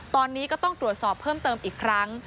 ตอนนี้ก็ต้องตรวจสอบเพิ่มเติมอีกครั้ง